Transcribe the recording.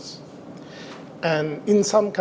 dan di beberapa negara